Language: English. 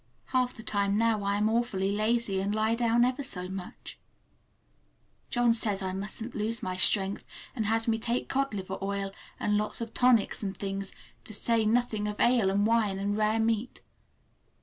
Half the time now I am awfully lazy, and lie down ever so much. John says I musn't lose my strength, and has me take cod liver oil and lots of tonics and things, to say nothing of ale and wine and rare meat.